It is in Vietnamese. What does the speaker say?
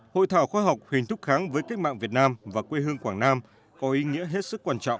hội thảo khoa học hình thức kháng với cách mạng việt nam và quê hương quảng nam có ý nghĩa hết sức quan trọng